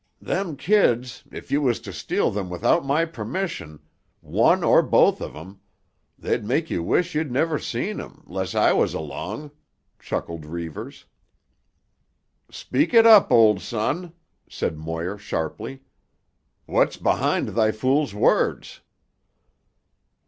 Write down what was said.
"Them kids—if you was to steal them without my permission—one or both of 'em—they'd make you wish you'd never seen 'em—'less I was along," chuckled Reivers. "Speak it up, old son," said Moir sharply. "What's behind thy fool's words?"